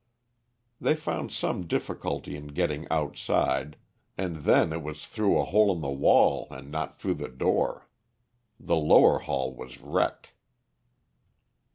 They found some difficulty in getting outside, and then it was through a hole in the wall and not through the door. The lower hall was wrecked.